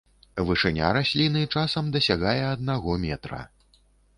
Вышыня расліны часам дасягае аднаго метра.